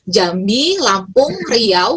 jambi lampung riau